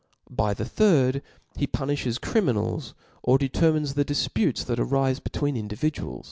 By the thirds he pu« niihes oriminals, or deisermines thedifputes that arife between indmduak.